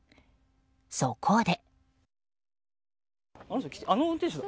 そこで。